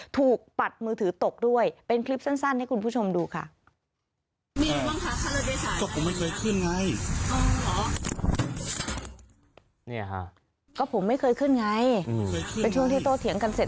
ถูกปัดมือถือตกด้วย